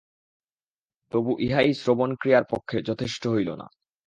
তবু ইহাই শ্রবণক্রিয়ার পক্ষে যথেষ্ট হইল না।